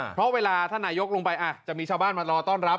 เพราะเวลาท่านนายกลงไปจะมีชาวบ้านมารอต้อนรับ